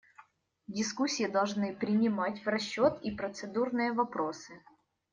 Дискуссии должны принимать в расчет и процедурные вопросы.